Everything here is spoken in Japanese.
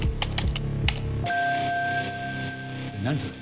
何それ？